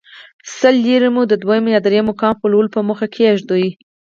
سل لیرې مو د دویم یا درېیم مقام خپلولو په موخه کېښودې.